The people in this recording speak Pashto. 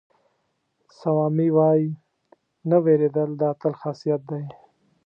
سوامي وایي نه وېرېدل د اتل خاصیت دی.